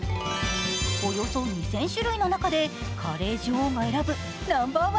およそ２０００種類の中でカレー女王が選ぶＮｏ．１